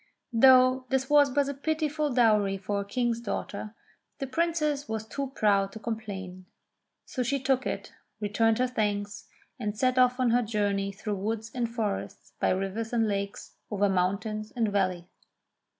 Though this was but a pitiful dowry for a King's daughter, the Princess was too proud to complain ; so she took it, returned her thanks, and set off on her journey through woods and forests, by rivers and lakes, over mountain and valley.